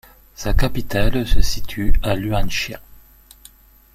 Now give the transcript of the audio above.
Sa capitale se situe à Luanshya.